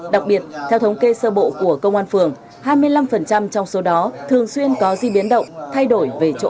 đặc biệt theo thống kê sơ bộ của công an phường hai mươi năm trong số đó thường xuyên có di biến động thay đổi về chỗ